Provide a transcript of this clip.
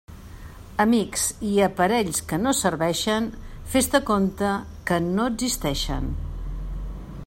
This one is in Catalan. Amics i aparells que no servixen, fes-te compte que no existixen.